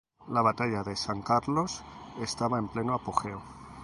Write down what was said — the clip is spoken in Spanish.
La Batalla de San Carlos estaba en pleno apogeo.